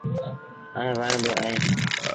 ائيٚݩ وڻ با اوهيݩ۔